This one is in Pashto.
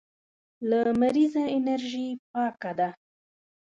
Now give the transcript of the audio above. لمريزه انرژي پاکه ده.